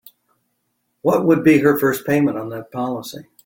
What would be her first payment on that policy?